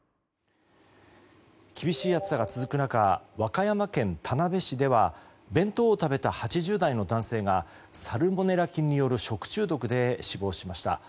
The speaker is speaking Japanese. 厳しい暑さが続く中和歌山県田辺市では弁当を食べた８０代の男性がサルモネラ菌による食中毒で死亡しました。